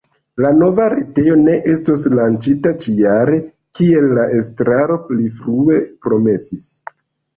La nova retejo ne estos lanĉita ĉi-jare, kiel la estraro pli frue promesis.